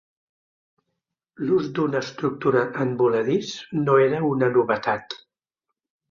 L’ús d’una estructura en voladís no era una novetat.